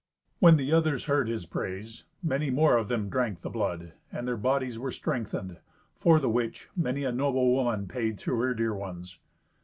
When the others heard his praise, many more of them drank the blood, and their bodies were strengthened, for the which many a noble woman paid through her dear ones.